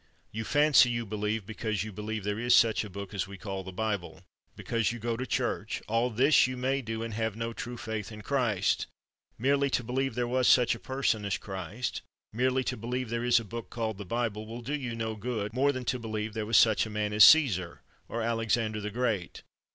You fancy you believe because you believe there is such a book as we call the Bible, be cause you go to church — all this you may do and have no true faith in Christ; merely to believe there was such a person as Christ, merely to be lieve there is a book called the Bible, will do you no good, more than to believe there was such a man as Csesar or Alexander the Great.